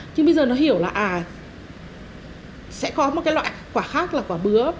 nhưng bây giờ nó hiểu là à sẽ có một cái loại quả khác là quả bứa